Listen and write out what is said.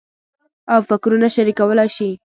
او فکرونه شریکولای شي.